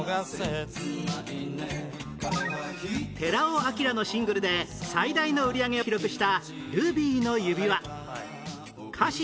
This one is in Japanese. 寺尾聰のシングルで最大の売り上げを記録した『ルビーの指環』